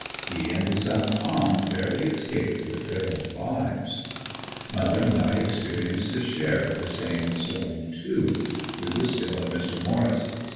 He and his son "Tom" barely escaped with their own lives. Mother and I experienced a share of the same storm too; we were still at Mr. Morris.'